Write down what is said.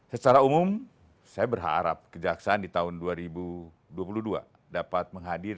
secara umum saya berharap kejaksaan ini akan menjadi